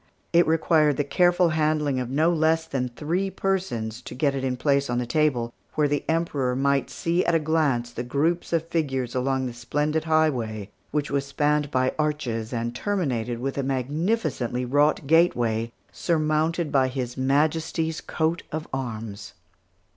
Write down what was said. It required the careful handling of no less than three persons to get it in place on the table, where the Emperor might see at a glance the groups of figures along the splendid highway, which was spanned by arches and terminated with a magnificently wrought gateway, surmounted by His Majesty's coat of arms.